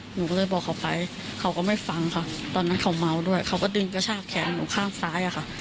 หนูก็เลยบอกเขาไปเขาก็ไม่ฟังค่ะตอนนั้นเขาเมาด้วยเขาก็ดึงกระชากแขนหนูข้างซ้ายอะค่ะ